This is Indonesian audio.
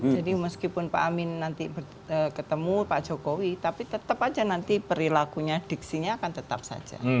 jadi meskipun pak amin nanti ketemu pak jokowi tapi tetap saja nanti perilakunya diksinya akan tetap saja